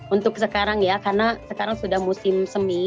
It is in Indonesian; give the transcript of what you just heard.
untuk sekarang ya karena sekarang sudah musim semi